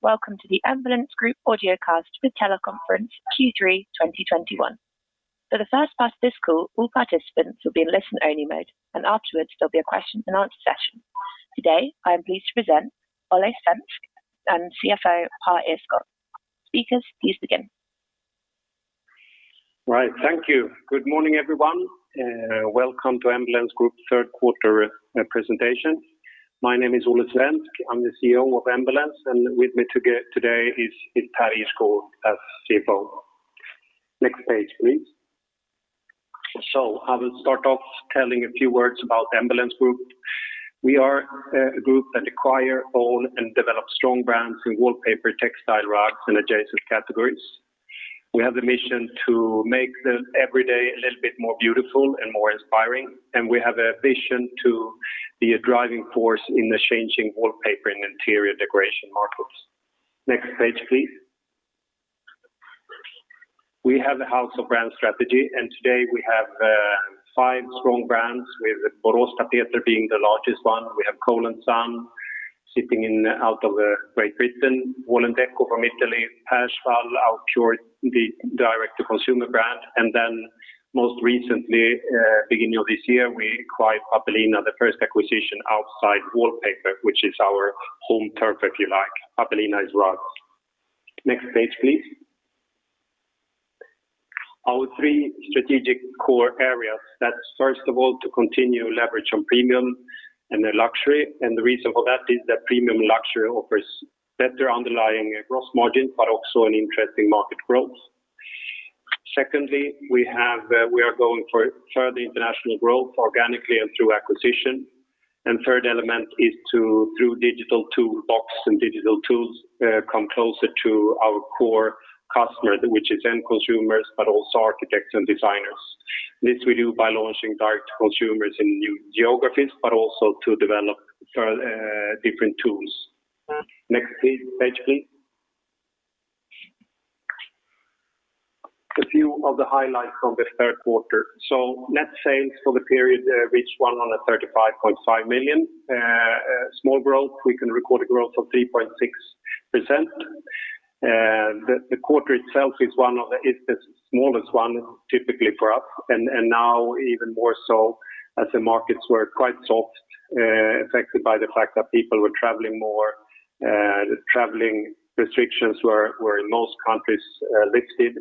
Welcome to the Embellence Group audiocast with teleconference Q3 2021. For the first part of this call, all participants will be in listen-only mode, and afterwards there'll be a question and answer session. Today, I am pleased to present Olle Svensk and CFO Pär Ihrskog. Speakers, please begin. Right. Thank you. Good morning, everyone. Welcome to Embellence Group third quarter presentation. My name is Olle Svensk. I'm the CEO of Embellence, and with me today is Pär Ihrskog, CFO. Next page, please. I will start off telling a few words about Embellence Group. We are a group that acquire, own, and develop strong brands in wallpaper, textile, rugs, and adjacent categories. We have the mission to make the everyday a little bit more beautiful and more inspiring, and we have a vision to be a driving force in the changing wallpaper and interior decoration markets. Next page, please. We have a house of brand strategy, today we have five strong brands with Boråstapeter being the largest one. We have Cole & Son sitting out of Great Britain, Wall&decò from Italy, Perswall, our pure direct-to-consumer brand. Then most recently, beginning of this year, we acquired Pappelina, the first acquisition outside wallpaper, which is our home turf, if you like. Pappelina is rugs. Next page, please. Our three strategic core areas, that's first of all to continue leverage on premium and the luxury. The reason for that is that premium luxury offers better underlying gross margin, but also an interesting market growth. Secondly, we are going for further international growth organically and through acquisition. Third element is to, through digital toolbox and digital tools, come closer to our core customer, which is end consumers, but also architects and designers. This we do by launching direct consumers in new geographies, but also to develop different tools. Next page, please. A few of the highlights from the third quarter. Net sales for the period reached 135.5 million. Small growth. We can record a growth of 3.6%. The quarter itself is the smallest one typically for us, and now even more so as the markets were quite soft, affected by the fact that people were traveling more. Traveling restrictions were in most countries lifted,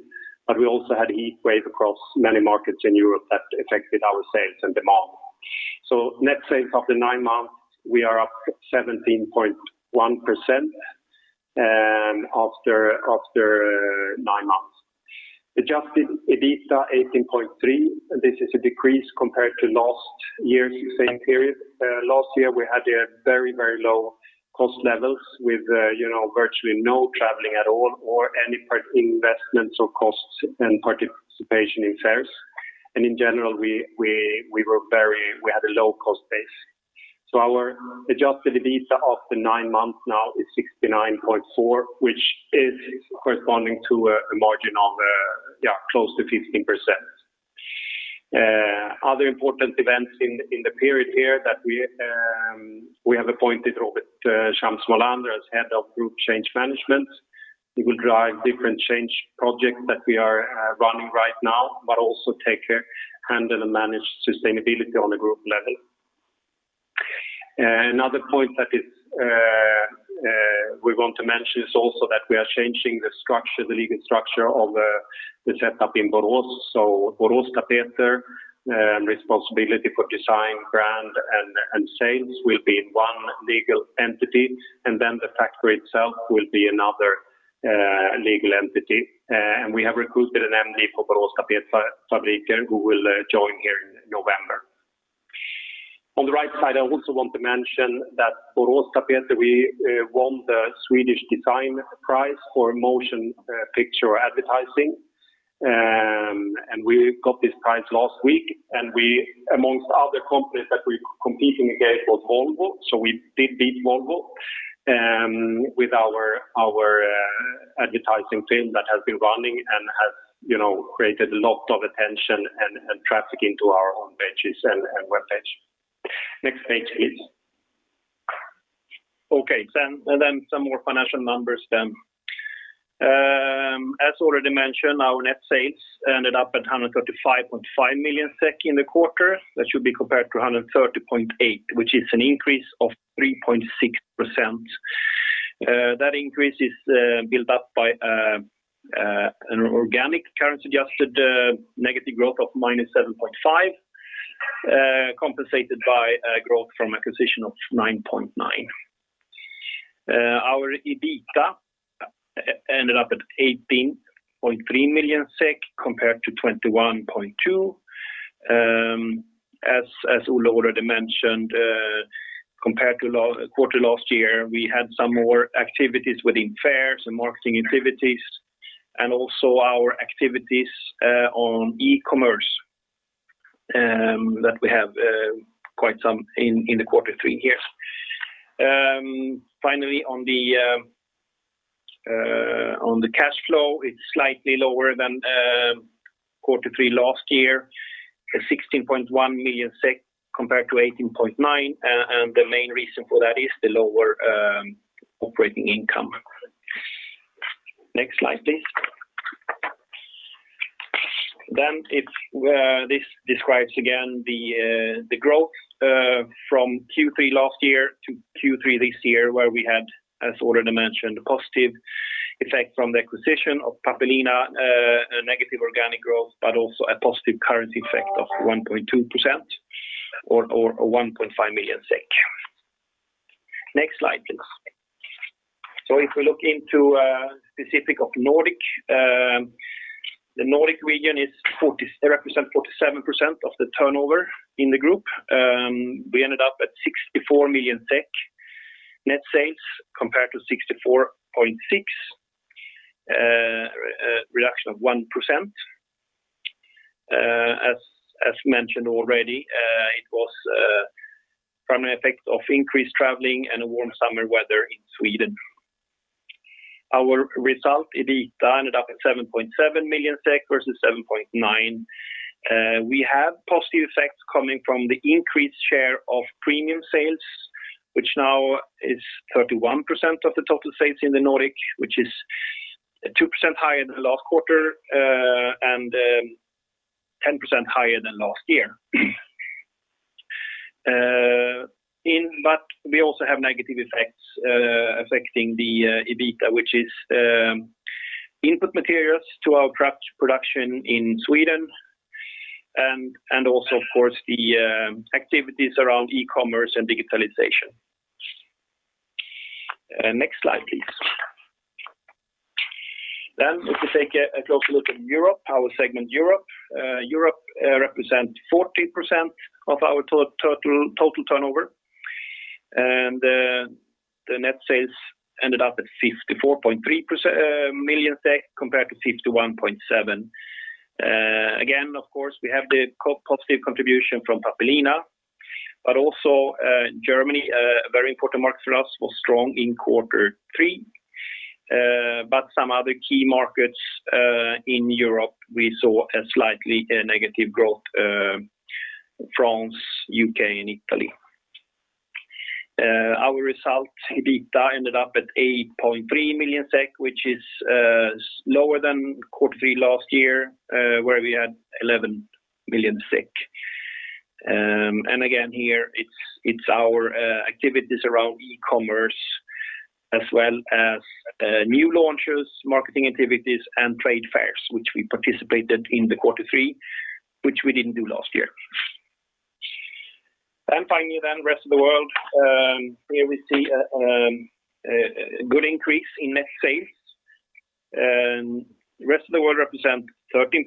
we also had heat wave across many markets in Europe that affected our sales and demand. Net sales of the nine months, we are up 17.1% after nine months. Adjusted EBITDA 18.3 million. This is a decrease compared to last year's same period. Last year we had a very low cost levels with virtually no traveling at all or any investments or costs and participation in fairs. In general, we had a low cost base. Our adjusted EBITDA of the nine months now is 69.4 million, which is corresponding to a margin of close to 15%. Other important events in the period here that we have appointed Robert Shams Smolander as Head of Group Change Management. He will drive different change projects that we are running right now, but also handle and manage sustainability on a group level. Another point that we want to mention is also that we are changing the legal structure of the setup in Borås. Boråstapeter responsibility for design, brand, and sales will be one legal entity, and then the factory itself will be another legal entity. We have recruited an MD for Borås Tapetfabrik who will join here in November. On the right side, I also want to mention that Boråstapeter, we won the Swedish Design Prize for motion picture advertising. We got this prize last week, and amongst other companies that we competing against was Volvo. We did beat Volvo with our advertising film that has been running and has created a lot of attention and traffic into our own pages and webpage. Next page, please. Some more financial numbers then. As already mentioned, our net sales ended up at 135.5 million SEK in the quarter. That should be compared to 130.8 million, which is an increase of 3.6%. That increase is built up by an organic currency adjusted negative growth of -7.5%, compensated by a growth from acquisition of 9.9%. Our EBITDA ended up at 18.3 million SEK compared to 21.2 million. As Olle already mentioned, compared to quarter last year, we had some more activities within fairs and marketing activities and also our activities on e-commerce that we have quite some in the quarter three here. Finally, on the cash flow, it's slightly lower than Quarter three last year, 16.1 million SEK compared to 18.9 million. The main reason for that is the lower operating income. Next slide, please. This describes again the growth from Q3 last year to Q3 this year, where we had, as already mentioned, a positive effect from the acquisition of Pappelina, a negative organic growth, but also a positive currency effect of 1.2% or 1.5 million. Next slide, please. If we look into specific of Nordic, the Nordic region it's 47% of the turnover in the group. We ended up at 64 million SEK net sales compared to 64.6 million, a reduction of 1%. As mentioned already, it was primarily effects of increased traveling and warm summer weather in Sweden. Our result, EBITDA, ended up at 7.7 million SEK versus 7.9 million. We have positive effects coming from the increased share of premium sales, which now is 31% of the total sales in the Nordic, which is 2% higher than last quarter, and 10% higher than last year. We also have negative effects affecting the EBITDA, which is input materials to our craft production in Sweden and also, of course, the activities around e-commerce and digitalization. Next slide, please. If we take a closer look at Europe, our segment Europe. Europe represent 14% of our total turnover, and the net sales ended up at 54.3 million SEK compared to 51.7 million. Again, of course, we have the positive contribution from Pappelina, also Germany, a very important market for us, was strong in quarter three. Some other key markets in Europe, we saw a slightly negative growth, France, U.K., and Italy. Our results, EBITDA, ended up at 8.3 million SEK, which is lower than quarter three last year, where we had 11 million SEK. Again, here, it's our activities around e-commerce as well as new launches, marketing activities, and trade fairs, which we participated in the quarter three, which we didn't do last year. Finally, rest of the world. Here we see a good increase in net sales. Rest of the world represent 13%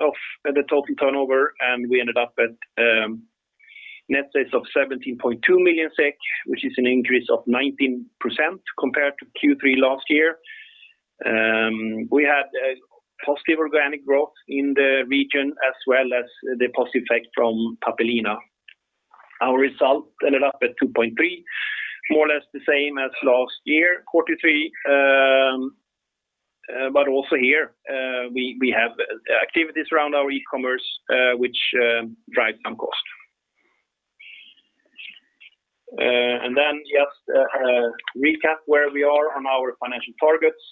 of the total turnover, and we ended up at net sales of 17.2 million SEK, which is an increase of 19% compared to Q3 last year. We had a positive organic growth in the region as well as the positive effect from Pappelina. Our result ended up at 2.3 million, more or less the same as last year, quarter three. Also here, we have activities around our e-commerce which drive some cost. Just a recap where we are on our financial targets.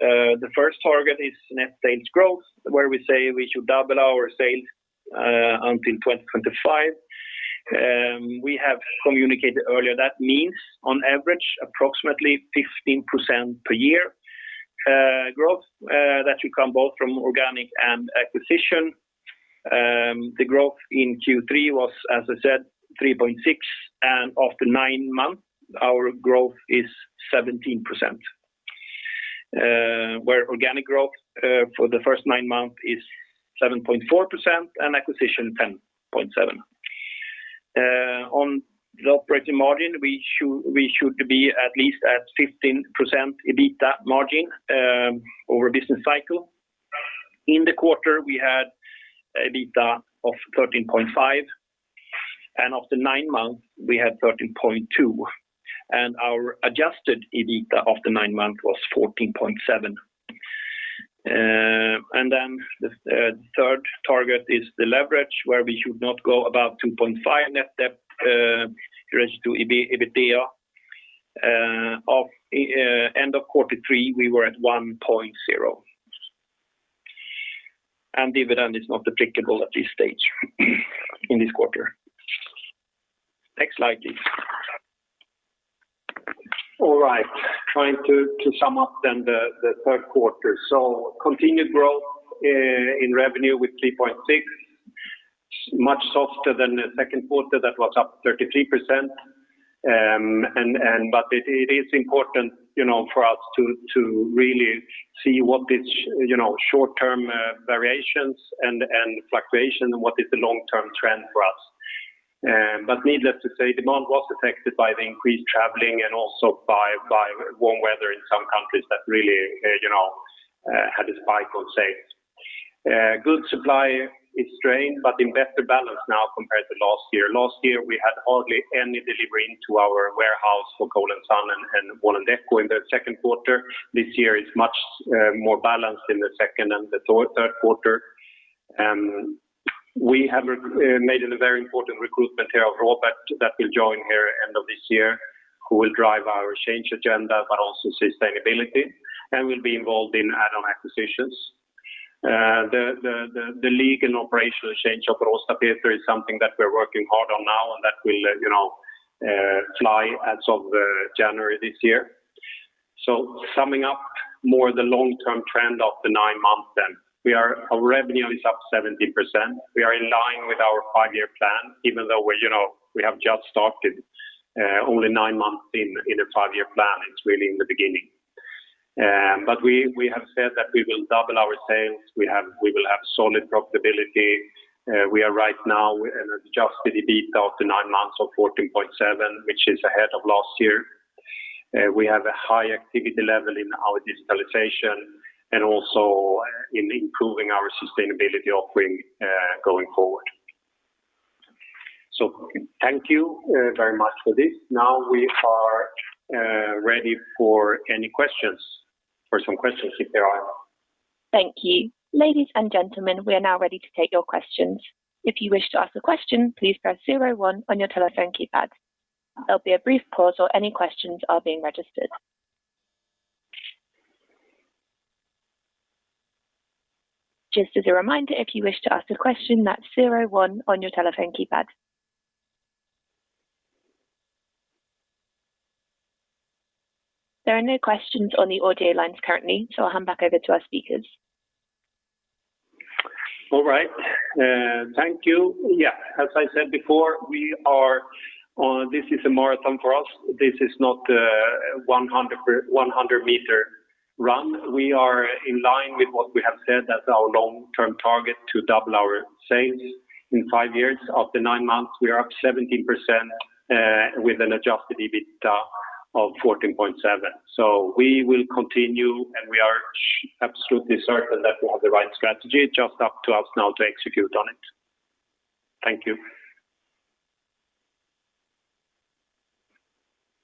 The first target is net sales growth, where we say we should double our sales until 2025. We have communicated earlier that means on average approximately 15% per year growth. That should come both from organic and acquisition. The growth in Q3 was, as I said, 3.6%, and after nine months, our growth is 17%, where organic growth for the first nine months is 7.4% and acquisition 10.7%. On the operating margin, we should be at least at 15% EBITDA margin over a business cycle. In the quarter, we had EBITDA of 13.5%, and after nine months, we had 13.2%. Our adjusted EBITDA after nine months was 14.7%. The third target is the leverage, where we should not go above 2.5% net debt ratio to EBITDA. End of quarter three, we were at 1.0%. Dividend is not applicable at this stage in this quarter. Next slide, please. Trying to sum up the third quarter. Continued growth in revenue with 3.6%, much softer than the second quarter that was up 33%. It is important for us to really see what is short-term variations and fluctuations and what is the long-term trend for us. Needless to say, demand was affected by the increased traveling and also by warm weather in some countries that really had a spike on sales. Goods supply is strained, in better balance now compared to last year. Last year, we had hardly any delivery into our warehouse for Cole & Son and Wall&decò in the second quarter. This year is much more balanced in the second and the third quarter. We have made a very important recruitment here of Robert that will join here end of this year, who will drive our change agenda, but also sustainability, and will be involved in add-on acquisitions. The legal and operational change of Boråstapeter is something that we're working hard on now and that will fly as of January this year. Summing up more the long-term trend of the nine months, our revenue is up 17%. We are in line with our five-year plan, even though we have just started, only nine months in a five-year plan. It's really in the beginning. We have said that we will double our sales. We will have solid profitability. We are right now in an adjusted EBITDA of the nine months of 14.7%, which is ahead of last year. We have a high activity level in our digitalization and also in improving our sustainability offering going forward. Thank you very much for this. Now we are ready for any questions, for some questions if there are. Thank you. Ladies and gentlemen, we are now ready to take your questions. If you wish to ask a question, please press zero one on your telephone keypad. There'll be a brief pause while any questions are being registered. Just as a reminder, if you wish to ask a question, that's zero one on your telephone keypad. There are no questions on the audio lines currently, so I'll hand back over to our speakers. All right. Thank you. Yeah, as I said before, this is a marathon for us. This is not a 100-meter run. We are in line with what we have said as our long-term target to double our sales in five years. After nine months, we are up 17%, with an adjusted EBITDA of 14.7%. We will continue, and we are absolutely certain that we have the right strategy. Just up to us now to execute on it. Thank you.